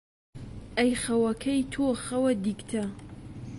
ئەی خەوەکەی تۆ خەوە دیگتە،